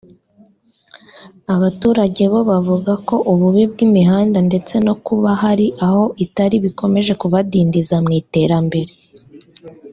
Abaturage bo bavuga ko ububi bw’imihanda ndetse no kuba hari aho itari bikomeje kubadindiza mu iterambere